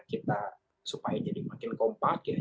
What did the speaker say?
kita supaya jadi makin kompak ya